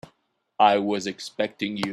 I was expecting you.